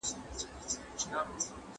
ښځي هم د ارادې د ازادۍ او درناوي حق لري.